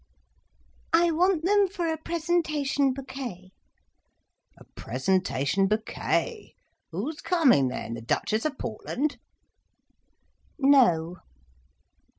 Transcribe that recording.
"I want them for a presentation bouquet." "A presentation bouquet! Who's coming then?—the Duchess of Portland?" "No."